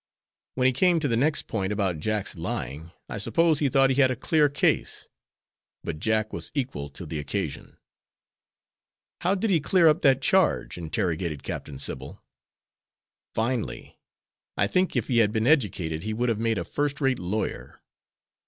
When he came to the next point, about Jack's lying, I suppose he thought he had a clear case; but Jack was equal to the occasion." "How did he clear up that charge?" interrogated Captain Sybil. "Finely. I think if he had been educated he would have made a first rate lawyer.